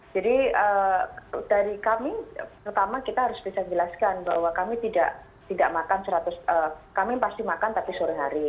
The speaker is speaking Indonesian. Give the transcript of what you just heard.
jadi dari kami pertama kita harus bisa jelaskan bahwa kami tidak makan seratus kami pasti makan tapi sore hari